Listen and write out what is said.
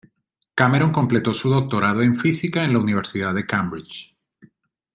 Cameron completó su doctorado en física en la Universidad de Cambridge.